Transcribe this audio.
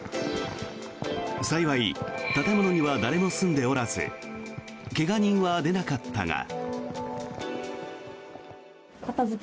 幸い、建物には誰も住んでおらず怪我人は出なかったが。